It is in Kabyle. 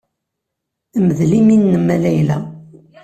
Mdel imi-nnem a Layla.